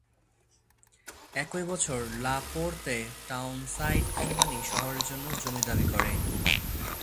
একই বছর ল্যাপোর্তে টাউনসাইট কোম্পানি শহরের জন্য জমি দাবি করে।